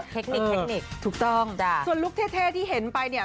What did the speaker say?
เทคนิคเทคนิคถูกต้องส่วนลุคเท่ที่เห็นไปเนี่ย